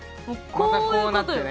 またこうなってね。